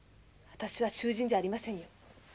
私は囚人じゃありませんよ。